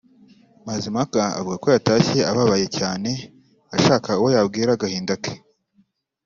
Mazimpaka avuga ko yatashye ababaye cyane ashaka uwo yabwira agahinda ke